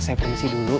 saya pergi sih dulu